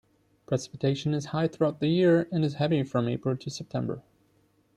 Precipitation is high throughout the year, and is heavy from April to September.